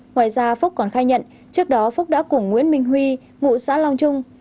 ngoài ra phúc còn khai nhận trước đó phúc đã cùng nguyễn minh huy ngụ xã long trung